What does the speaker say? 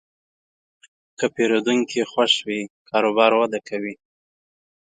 که پیرودونکی خوښ وي، کاروبار وده کوي.